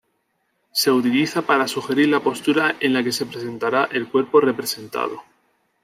Se utiliza para sugerir la postura en la que se presentará el cuerpo representado.